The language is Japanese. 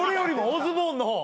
オズボーンの方